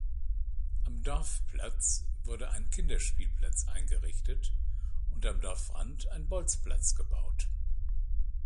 Am Dorfplatz wurde ein Kinderspielplatz eingerichtet und am Dorfrand ein Bolzplatz gebaut.